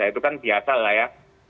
itu kan biasa lah ya